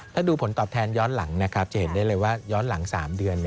ถ้าดูผลตอบแทนย้อนหลังนะครับจะเห็นได้เลยว่าย้อนหลัง๓เดือน